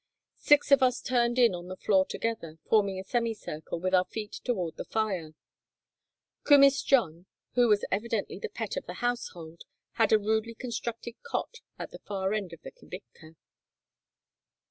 Six of us turned in on the floor together, forming a semicircle, with our feet toward the fire. "Kumiss John," who was evidently the pet of the household, had a rudely constructed cot at the far end of the kibitka.